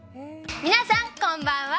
皆さん、こんばんは。